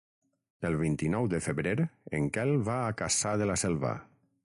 El vint-i-nou de febrer en Quel va a Cassà de la Selva.